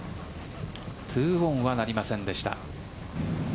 ２オンはなりませんでした。